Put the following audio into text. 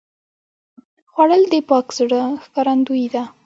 خوړل د پاک زړه ښکارندویي ده